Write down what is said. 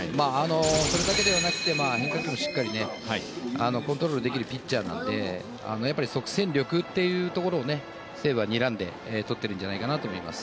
これだけではなくて変化球もしっかりコントロールできるピッチャーなので、即戦力というところを西武はにらんで取ってるんじゃないかと思います。